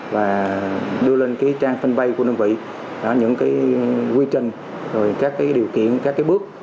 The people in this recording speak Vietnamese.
và đưa lên trang fanpage của nông vị những quy trình điều kiện bước